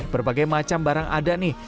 berbagai macam barang ada nih